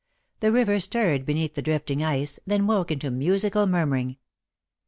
The river stirred beneath the drifting ice, then woke into musical murmuring.